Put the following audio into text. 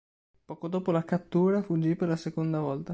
Poco dopo la cattura fuggì per la seconda volta.